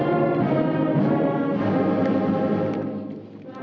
lagu kebangsaan indonesia raya